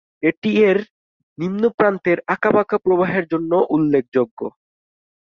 এটি এর নিম্ন প্রান্তের আঁকাবাঁকা প্রবাহের জন্যও উল্লেখযোগ্য।